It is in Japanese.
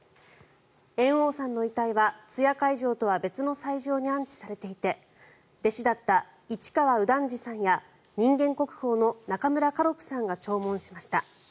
猿翁さんの遺体は通夜会場とは別の斎場に安置されていて弟子だった市川右團次さんや人間国宝の中村歌六さんが弔問しました。